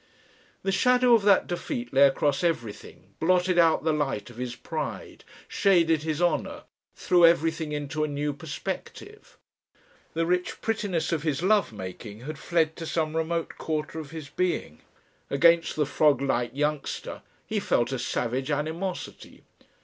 The shadow of that defeat lay across everything, blotted out the light of his pride, shaded his honour, threw everything into a new perspective. The rich prettiness of his love making had fled to some remote quarter of his being. Against the frog like youngster he felt a savage animosity.